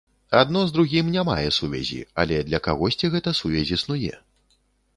Адно з другім не мае сувязі, але для кагосьці гэта сувязь існуе.